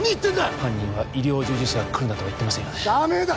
犯人は医療従事者は来るなとは言ってませんよねダメだ！